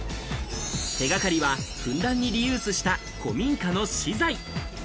手掛かりはふんだんにリユースした古民家の資材。